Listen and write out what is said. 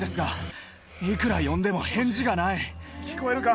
聞こえるか？